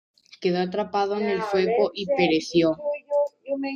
Quedó atrapado en el fuego y pereció.